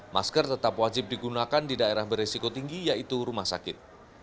masker tetap wajib digunakan di daerah beresiko tinggi yaitu rumah sakit